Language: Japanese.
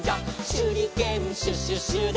「しゅりけんシュシュシュで」